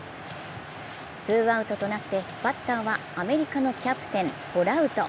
ツーアウトとなってバッターはアメリカのキャプテン・トラウト。